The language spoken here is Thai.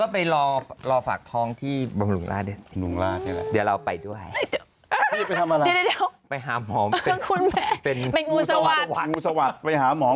ให้มันถึงวันเกิดนี่ก่อนเดี๋ยวจะมาบอก